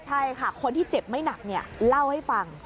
ใช่ค่ะคนที่เจ็บไม่หนักเล่าให้ฟัง